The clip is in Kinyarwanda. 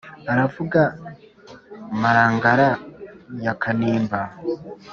Aravuga a Marangara ya Kanimba